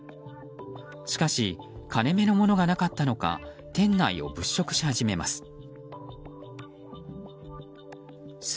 しかし金目のものがなかったのか店内を物色し始めます。